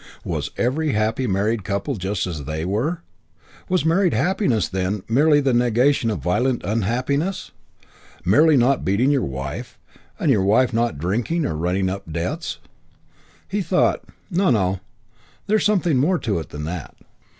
Was every happy married couple just what they were? Was married happiness, then, merely the negation of violent unhappiness? Merely not beating your wife, and your wife not drinking or running up debts? He thought: "No, no, there's something more in it than that."